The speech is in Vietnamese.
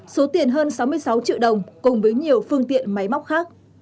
số tiền hơn sáu mươi sáu triệu đồng cùng với nhiều phương tiện máy móc khác